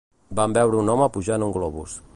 Vam veure un home pujar en un globus.